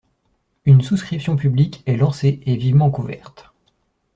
Une souscription publique est lancée et vivement couverte.